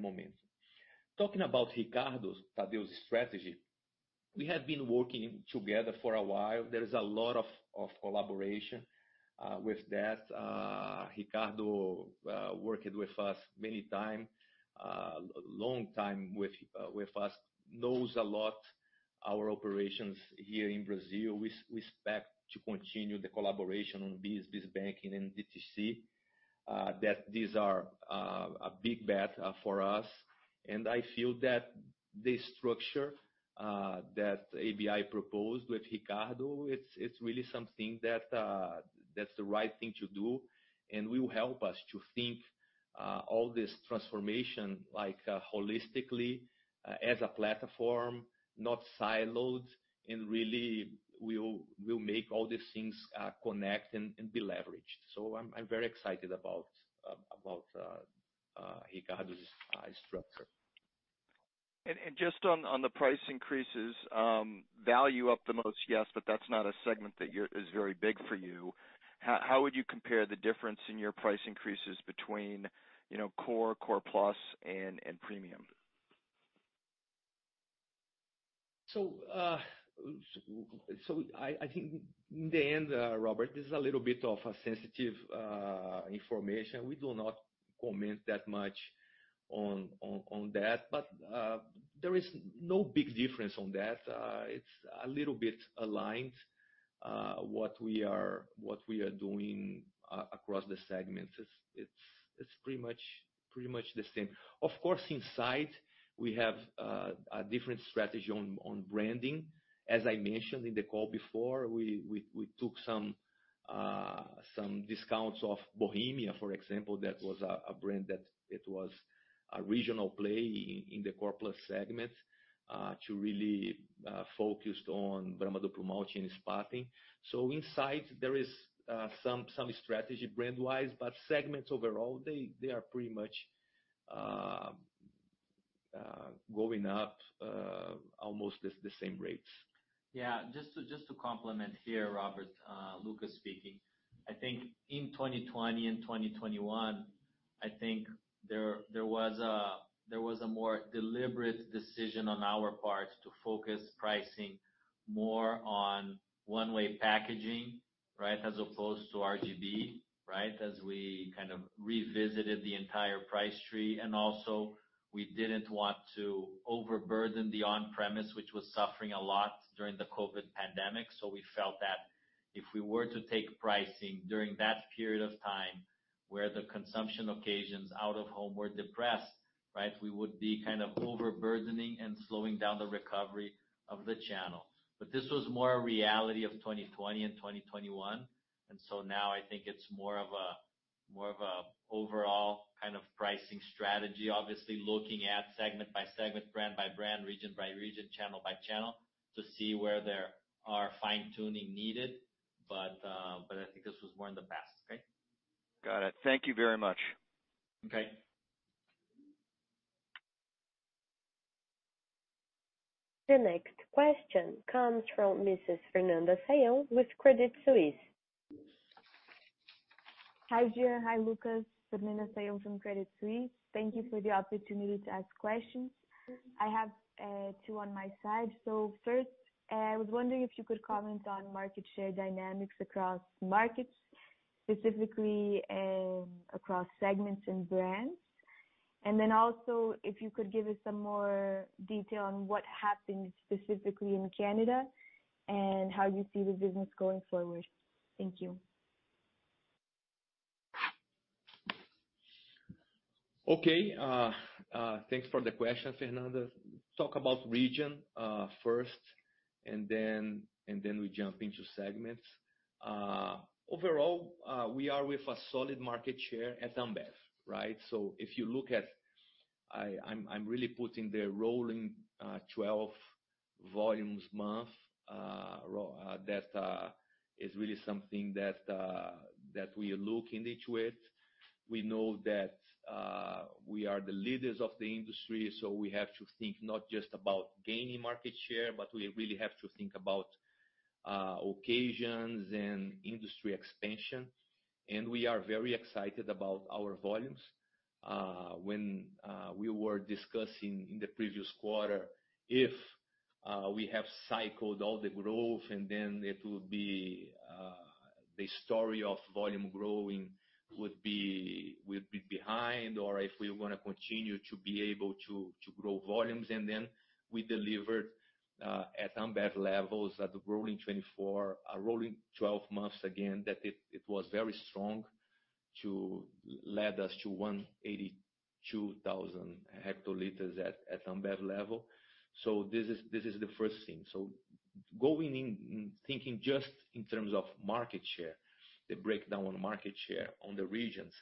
momentum. Talking about Ricardo Tadeu's strategy, we have been working together for a while. There is a lot of collaboration with that. Ricardo worked with us many times, a long time with us, knows a lot about our operations here in Brazil. We expect to continue the collaboration on business banking and DTC, that these are a big bet for us. I feel that the structure that ABI proposed with Ricardo, it's really something that's the right thing to do and will help us to think all this transformation like holistically, as a platform, not siloed, and really we'll make all these things connect and be leveraged. I'm very excited about Ricardo's structure. Just on the price increases, value up the most, yes, but that's not a segment that is very big for you. How would you compare the difference in your price increases between, you know, core plus and premium? I think in the end, Robert, this is a little bit of a sensitive information. We do not comment that much on that, but there is no big difference on that. It's a little bit aligned what we are doing across the segments. It's pretty much the same. Of course, inside we have a different strategy on branding. As I mentioned in the call before, we took some discounts of Bohemia, for example, that was a brand that it was a regional play in the core plus segment to really focus on Brahma Duplo Malte, and Spaten. Inside there is some strategy brand wise, but segments overall, they are pretty much going up almost the same rates. Just to complement here, Robert, Lucas speaking. I think in 2020 and 2021, there was a more deliberate decision on our part to focus pricing more on one-way packaging, right? As opposed to RGB, right? As we kind of revisited the entire price tree. We didn't want to overburden the on-premise, which was suffering a lot during the COVID-19 pandemic. We felt that if we were to take pricing during that period of time where the consumption occasions out of home were depressed, right? We would be kind of overburdening and slowing down the recovery of the channel. This was more a reality of 2020 and 2021, now I think it's more of a overall Pricing strategy, obviously looking at segment by segment, brand by brand, region by region, channel by channel to see where there are fine-tuning needed. I think this was one of the best. Okay? Got it. Thank you very much. Okay. The next question comes from Mrs. Fernanda Saion with Credit Suisse. Hi, Jean. Hi, Lucas. Fernanda Saion from Credit Suisse. Thank you for the opportunity to ask questions. I have two on my side. So first, I was wondering if you could comment on market share dynamics across markets, specifically, across segments and brands. And then also, if you could give us some more detail on what happened specifically in Canada, and how you see the business going forward. Thank you. Okay, thanks for the question, Fernanda. Talk about region first, and then we jump into segments. Overall, we are with a solid market share at Ambev, right? So if you look at, I'm really looking at the rolling 12 volumes month that is really something that we look in each week. We know that we are the leaders of the industry, so we have to think not just about gaining market share, but we really have to think about occasions and industry expansion. And we are very excited about our volumes. When we were discussing in the previous quarter if we have cycled all the growth and then it will be the story of volume growing would be behind, or if we're gonna continue to be able to grow volumes. We delivered at Ambev levels at the rolling 12 months again, that it was very strong to lead us to 182,000 hectoliters at Ambev level. This is the first thing. So going in thinking just in terms of market share, the breakdown on market share on the regions.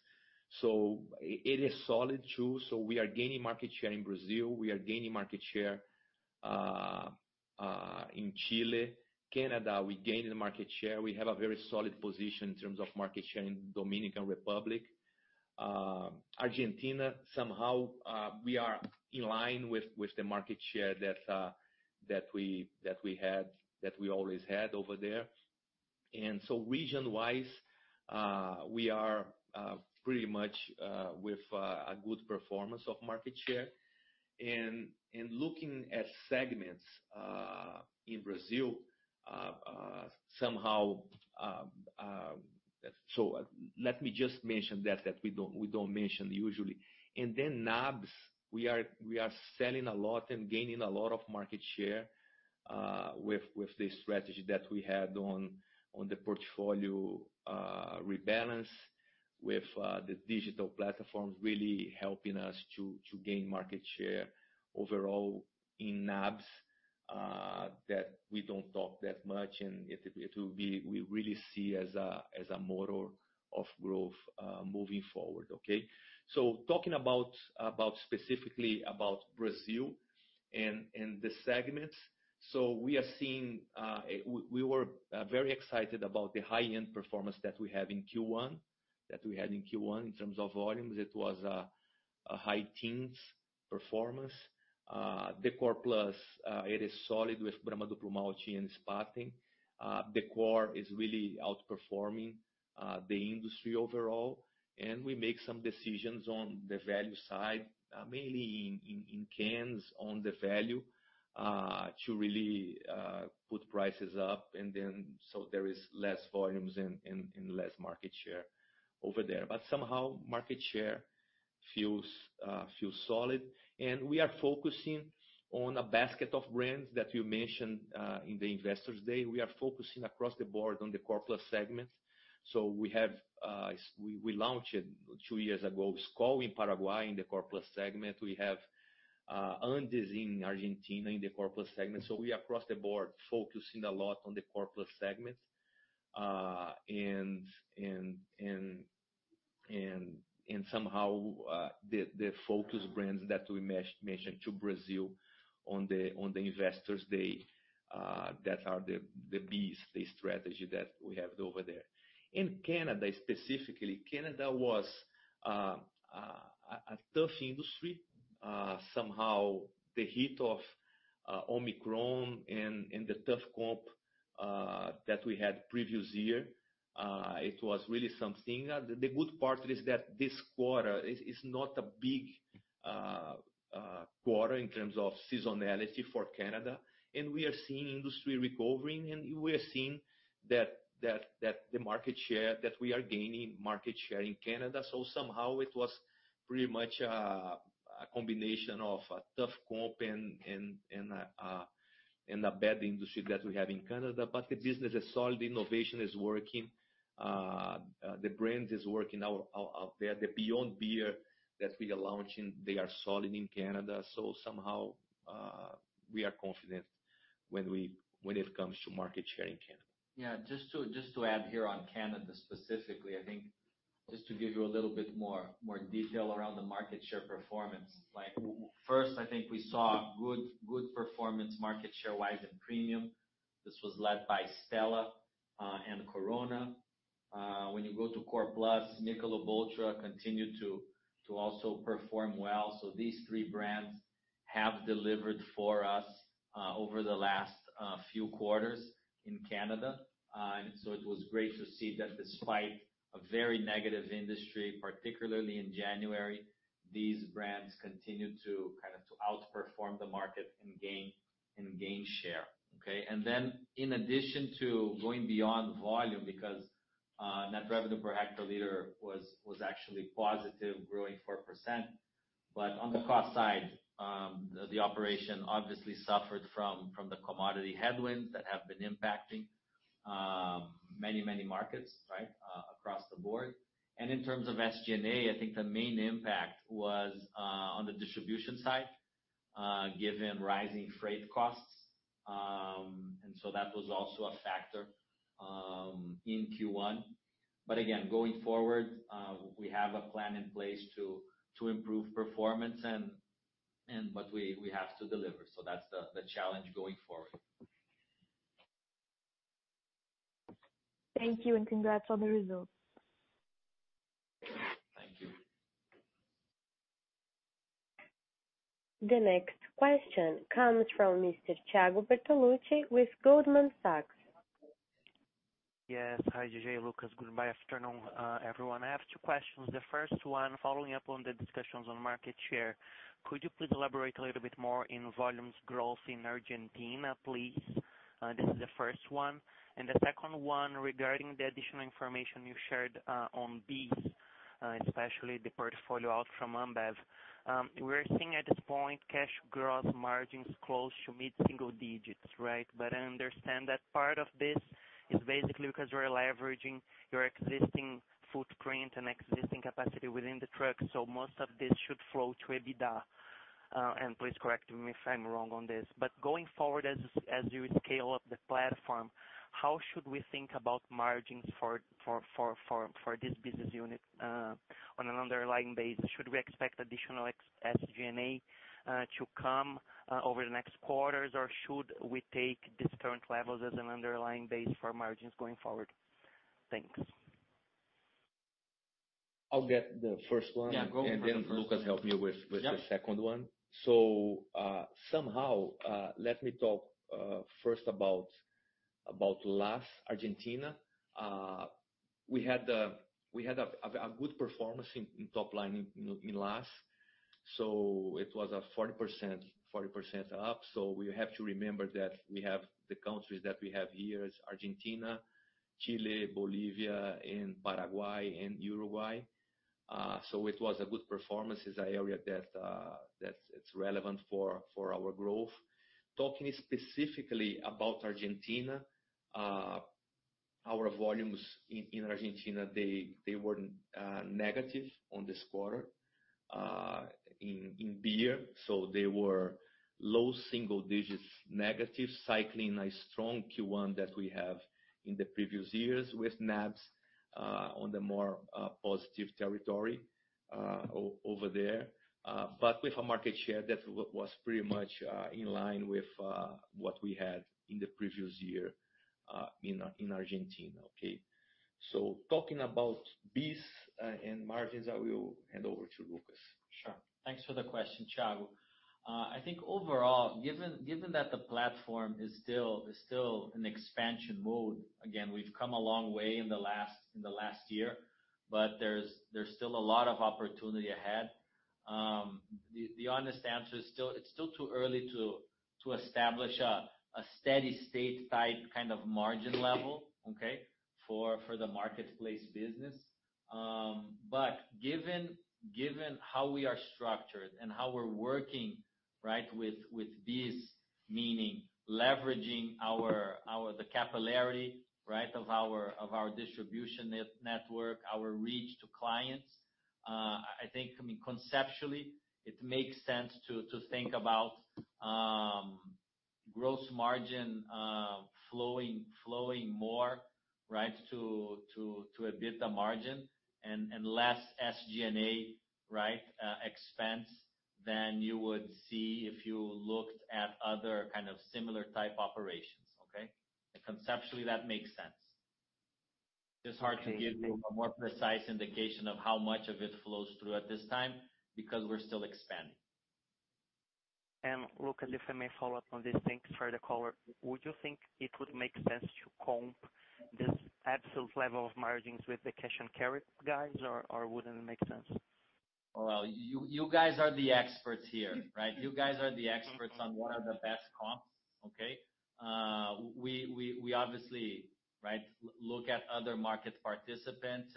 So it is solid, too. So we are gaining market share in Brazil. We are gaining market share in Chile. Canada, we gained the market share. We have a very solid position in terms of market share in Dominican Republic. Argentina, somehow, we are in line with the market share that we always had over there. And so region-wise, we are pretty much with a good performance of market share. And looking at segments in Brazil, somehow, let me just mention that we don't mention usually. And then NABs, we are selling a lot and gaining a lot of market share with the strategy that we had on the portfolio rebalance with the digital platforms really helping us to gain market share overall in NABs that we don't talk that much. We really see as a model of growth moving forward. Okay so talking specifically about Brazil and the segments, we are seeing. We were very excited about the high-end performance that we had in Q1 in terms of volumes. It was a high teens performance. The core plus it is solid with Brahma Duplo Malte, Bohemia, and Spaten. The core is really outperforming the industry overall. And we make some decisions on the value side, mainly in cans on the value, to really put prices up, and then there is less volumes and less market share over there. But somehow market share feels solid. And we are focusing on a basket of brands that you mentioned in the Investors Day. We are focusing across the board on the core plus segments. So we launched it two years ago, Skol in Paraguay in the core plus segment. We have Andes in Argentina in the core plus segment. We across the board focusing a lot on the core plus segments. And somehow, the focus brands that we mentioned in Brazil on the Investors Day, that are the BEES, the strategy that we have over there. In Canada, specifically, Canada was a tough industry. Somehow the heat of Omicron and the tough comp that we had previous year, it was really something. The good part is that this quarter is not a big quarter in terms of seasonality for Canada, and we are seeing industry recovering, and we are seeing that we are gaining market share in Canada. Somehow it was pretty much a combination of a tough comp and a bad industry that we have in Canada. The business is solid. Innovation is working. The brands is working out there. The Beyond Beer that we are launching, they are solid in Canada. Somehow, we are confident. When it comes to market share in Canada. Yeah, just to add here on Canada specifically, I think just to give you a little bit more detail around the market share performance. Like first, I think we saw good performance market share-wise in premium. This was led by Stella and Corona. When you go to core plus, Michelob ULTRA continued to also perform well. So these three brands have delivered for us over the last few quarters in Canada. It was great to see that despite a very negative industry, particularly in January, these brands continued to kind of outperform the market and gain share. Okay. In addition to going beyond volume because net revenue per hectoliter was actually positive, growing 4%. On the cost side, the operation obviously suffered from the commodity headwinds that have been impacting many markets, right? Across the board. In terms of SG&A, I think the main impact was on the distribution side, given rising freight costs. That was also a factor in Q1. But again, going forward, we have a plan in place to improve performance, but we have to deliver. That's the challenge going forward. Thank you, and congrats on the results. Thank you. The next question comes from Mr. Thiago Bertoluci with Goldman Sachs. Yes. Hi, JJ, Lucas. Good afternoon, everyone. I have two questions. The first one, following up on the discussions on market share, could you please elaborate a little bit more on volume growth in Argentina, please? This is the first one. The second one regarding the additional information you shared on BEES, especially the portfolio outside of Ambev. We're seeing at this point cash gross margins close to mid-single digits, right? But I understand that part of this is basically because you're leveraging your existing footprint and existing capacity within the trucks. So most of this should flow to EBITDA. Please correct me if I'm wrong on this. Going forward, as you scale up the platform, how should we think about margins for this business unit on an underlying basis? Should we expect additional ex-SG&A to come over the next quarters, or should we take these current levels as an underlying base for margins going forward? Thanks. I'll get the first one. Yeah, go for the first one. Lucas, help me with the second one. Yeah. Let me talk first about LAS Argentina. We had a good performance in top line in LAS, so it was 40% up. We have to remember that we have the countries that we have here is Argentina, Chile, Bolivia, and Paraguay and Uruguay. It was a good performance. It's an area that's relevant for our growth. Talking specifically about Argentina, our volumes in Argentina were negative in this quarter in beer. They were low single digits negative, cycling a strong Q1 that we have in the previous years with NABs on the more positive territory over there. With a market share that was pretty much in line with what we had in the previous year in Argentina. Okay? Talking about beers and margins, I will hand over to Lucas. Sure. Thanks for the question, Thiago. I think overall, given that the platform is still an expansion mode, again, we've come a long way in the last year, but there's still a lot of opportunity ahead. The honest answer is still, it's still too early to establish a steady-state type kind of margin level, okay, for the marketplace business. Given how we are structured and how we're working, right, with this meaning leveraging our capillarity, right, of our distribution network, our reach to clients, I think, I mean, conceptually, it makes sense to think about gross margin flowing more, right, to EBITDA margin and less SG&A expense than you would see if you looked at other kind of similar type operations. Okay. Conceptually, that makes sense. Just hard to give you a more precise indication of how much of it flows through at this time because we're still expanding. Lucas, if I may follow up on this. Thanks for the color. Would you think it would make sense to compare this absolute level of margins with the cash and carry guys, or wouldn't it make sense? Well, you guys are the experts here, right? You guys are the experts on what are the best comps. Okay? We obviously, right, look at other market participants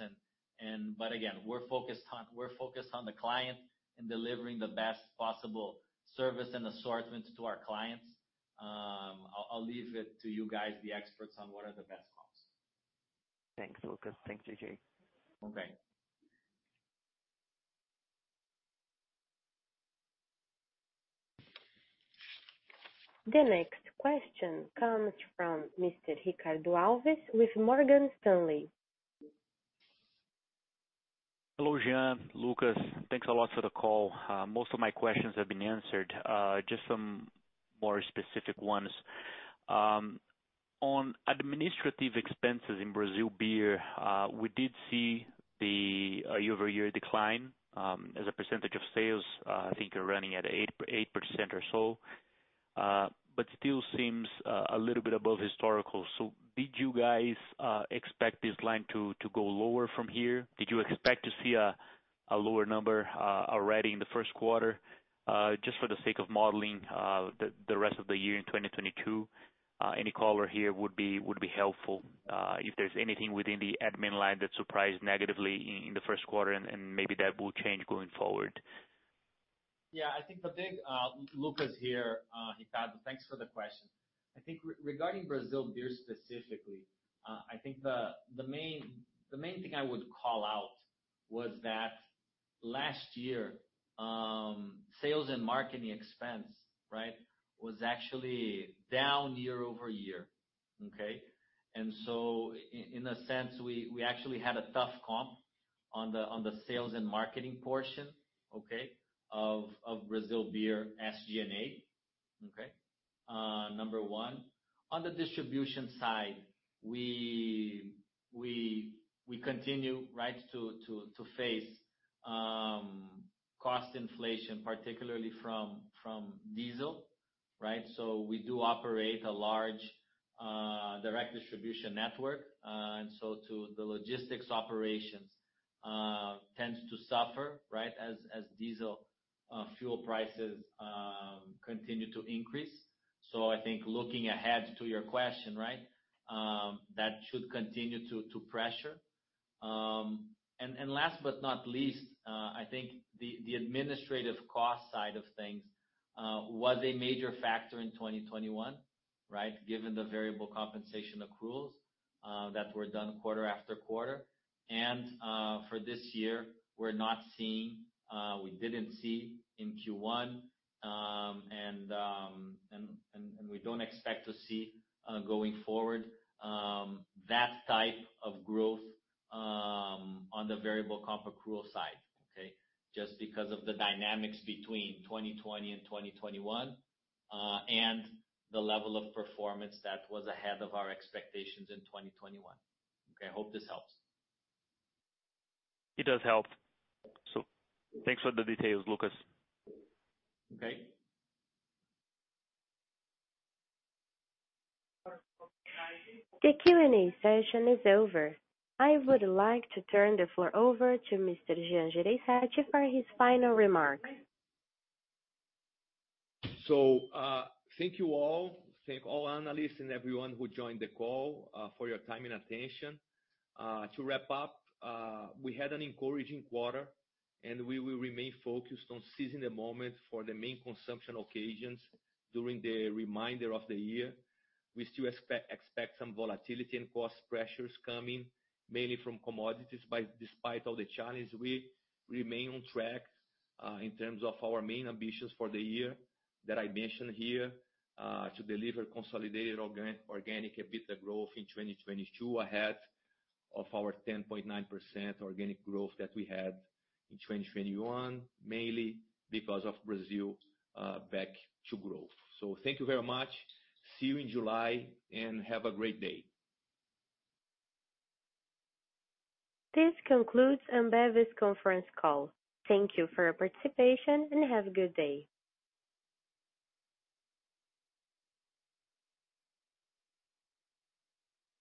and but again, we're focused on the client and delivering the best possible service and assortments to our clients. I'll leave it to you guys, the experts, on what are the best comps. Thanks, Lucas. Thanks, JJ. Okay. The next question comes from Mr. Ricardo Alves with Morgan Stanley. Hello, Jean, Lucas. Thanks a lot for the call. Most of my questions have been answered. Just some more specific ones. On administrative expenses in Brazil beer, we did see the year-over-year decline, as a percentage of sales. I think you're running at 8% or so. Still seems a little bit above historical. Did you guys expect this line to go lower from here? Did you expect to see a lower number already in the first quarter? Just for the sake of modeling, the rest of the year in 2022, any color here would be helpful. If there's anything within the admin line that surprised negatively in the first quarter and maybe that will change going forward. Yeah, I think the big Lucas here, Ricardo, thanks for the question. I think regarding Brazil beer specifically, I think the main thing I would call out was that last year, sales and marketing expense, right? Was actually down year-over-year, okay? In a sense, we actually had a tough comp on the sales and marketing portion, okay? Of Brazil beer SG&A, okay? Number one. On the distribution side, we continue right to face cost inflation, particularly from diesel, right? We do operate a large direct distribution network. The logistics operations tends to suffer, right? As diesel fuel prices continue to increase. I think looking ahead to your question, right? That should continue to pressure. Last but not least, I think the administrative cost side of things was a major factor in 2021, right? Given the variable compensation accruals that were done quarter after quarter. For this year, we're not seeing, we didn't see in Q1, and we don't expect to see going forward that type of growth on the variable comp accrual side, okay? Just because of the dynamics between 2020 and 2021, and the level of performance that was ahead of our expectations in 2021. Okay, I hope this helps. It does help. Thanks for the details, Lucas. Okay. The Q&A session is over. I would like to turn the floor over to Mr. Jean Jereissati for his final remarks. Thank you all. Thank all analysts and everyone who joined the call for your time and attention. To wrap up, we had an encouraging quarter, and we will remain focused on seizing the moment for the main consumption occasions during the remainder of the year. We still expect some volatility and cost pressures coming mainly from commodities despite all the challenges. We remain on track in terms of our main ambitions for the year that I mentioned here to deliver consolidated organic EBITDA growth in 2022 ahead of our 10.9% organic growth that we had in 2021, mainly because of Brazil back to growth. Thank you very much. See you in July, and have a great day. This concludes Ambev's conference call. Thank you for your participation, and have a good day.